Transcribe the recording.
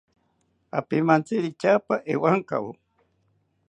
Apimantziri tyaapa ewankawo